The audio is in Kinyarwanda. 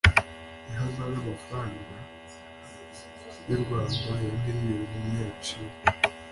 ihazabu y amafaranga y urwanda ya miliyoni niyo yaciwe